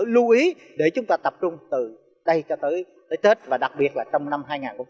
lưu ý để chúng ta tập trung từ đây cho tới tết và đặc biệt là trong năm hai nghìn hai mươi